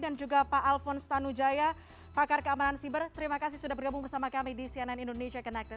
dan juga pak alphonse tanu jaya pakar keamanan siber terima kasih sudah bergabung bersama kami di cnn indonesia connected